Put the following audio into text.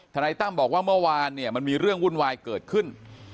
นายตั้มบอกว่าเมื่อวานเนี่ยมันมีเรื่องวุ่นวายเกิดขึ้น